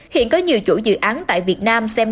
hiện có nhiều chủ dự án tại việt nam xem